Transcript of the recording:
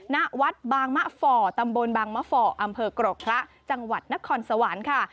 ณวัดบางมะฝ่อตำบลบางมะฝ่ออำเภอกรกพระจังหวัดนครสวรรค์ค่ะ